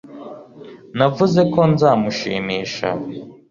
Navuze ko nzamushimisha